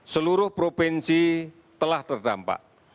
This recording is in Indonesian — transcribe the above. seluruh provinsi telah terdampak